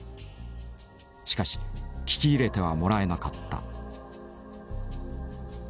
しかし聞き入れてはもらえなかった。